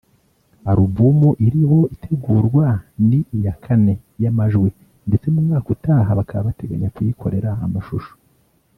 Album iriho itegurwa ni iya kane y’amajwi ndetse mu mwaka utaha bakaba bateganya kuyikorera amashusho